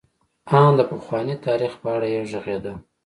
ان د پخواني تاریخ په اړه یې غږېده.